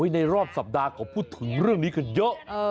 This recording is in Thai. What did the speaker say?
ในรอบสัปดาห์เขาพูดถึงเรื่องนี้กันเยอะ